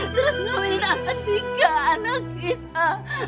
terus ngelakuin tiga anak kita